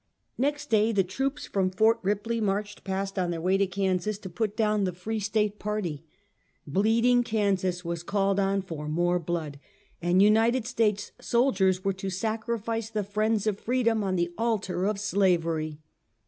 'Next day the troops from Fort Ripley marched past, on their way to Kansas, to put down the Free State party. Bleeding Kansas was called on for more blood, and United States soldiers were to sacrifice the friends of freedom on the altar of slavery.